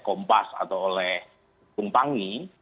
kompas atau oleh bung panggi